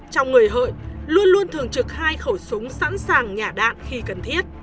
trong người hợi luôn luôn thường trực hai khẩu súng sẵn sàng nhả đạn khi cần thiết